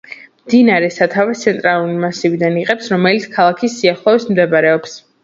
მდინარე სათავეს ცენტრალური მასივიდან იღებს, რომელიც ქალაქის სიახლოვეს მდებარეობს.